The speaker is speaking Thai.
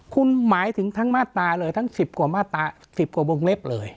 คุณหมายถึงทั้งมาตราเลยทั้ง๑๐กว่ามาตรา๑๐กว่าวงเล็บเลย